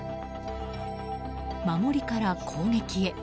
守りから攻撃へ。